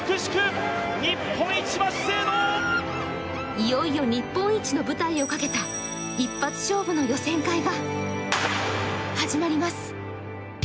いよいよ日本一の舞台をかけた一発勝負の予選会が始まります。